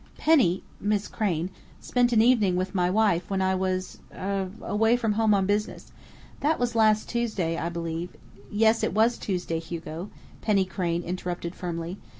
"Penny Miss Crain spent an evening with my wife when I was er away from home on business. That was last Tuesday, I believe " "Yes, it was Tuesday, Hugo," Penny Crain interrupted firmly.